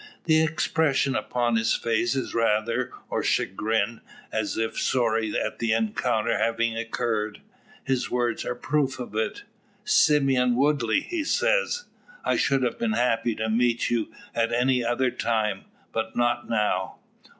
The expression upon his face is rather or chagrin, as if sorry at the encounter having occurred. His words are proof of it. "Simeon Woodley," he says, "I should have been happy to meet you at any other time, but not now."